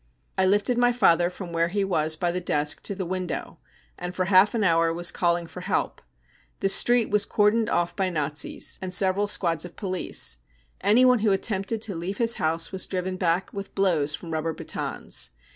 " I lifted my father from where he was by the desk to the window, and for half an hour was calling for help. The street was cordoned off by Nazis and several squads of THE PERSECUTION OF JEWS 243 police. Anyone who attempted to leave his house was driven back with blows from rubber batons.